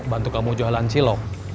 bantu kamu jualan cilok